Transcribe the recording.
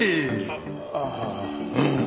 ああ。